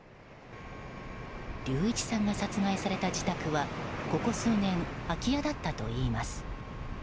隆一さんが殺害された自宅はここ数年空き家だったといいます。